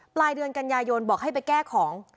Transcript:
ปลายเดือนกันยายนบอกให้ไปแก้ของ